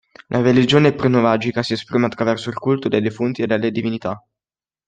La religione prenuragica si esprime attraverso il culto dei defunti e delle divinità.